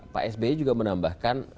pak sby juga menambahkan